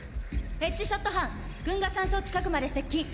エッジショット班群訝山荘近くまで接近。